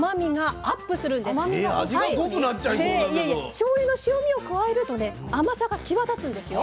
しょうゆの塩味を加えるとね甘さが際立つんですよ。